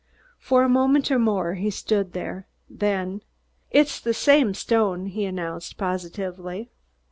For a moment or more he stood there, then: "It's the same stone," he announced positively.